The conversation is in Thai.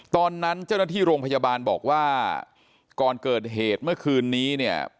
ตอนนั้นเจ้าหน้าที่โรงพยาบาลบอกว่าก่อนเกิดเหตุเมื่อคืนนี้เนี่ย